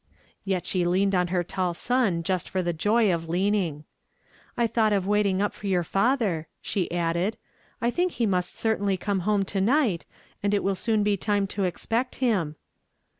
Yet she leaned on her tall son just for the joy of leaning. " I thought of waiting up for your father," she added ;" I think he must cer tainly come to night, and it will soon be time to expect him."